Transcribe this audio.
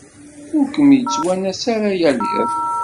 Ur kem-yettwanas ara yal iḍ.